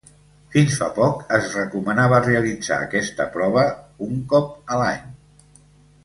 Fins fa poc es recomanava realitzar aquesta prova un cop a l'any.